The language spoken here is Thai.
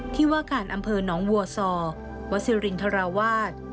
ที่วากาศอำเภอน้องวัวซอวัดศรีรินทรวาส